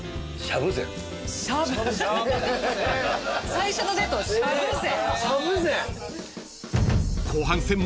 最初のデートがしゃぶ禅？